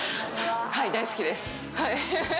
はい、大好きです。